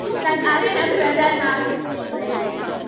Daeth arian yn bryder mawr i'r teulu.